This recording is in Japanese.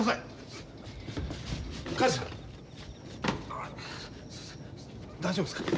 ああ大丈夫ですか？